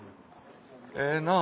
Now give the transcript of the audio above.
ええなぁ